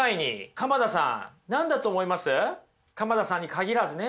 鎌田さんに限らずね。